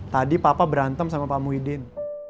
tadi papa berantem sama pak muhyiddin